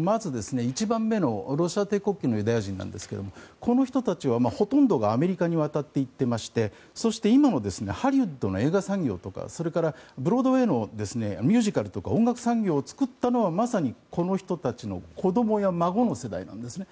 まず１番目のロシア帝国期のユダヤ人ですけどこの人たちは、ほとんどがアメリカに渡っていっていましてそして今のハリウッドの映画産業とかそれからブロードウェーのミュージカルとか音楽産業を作ったのは、まさにこの人たちの子供や孫の世代なんですね。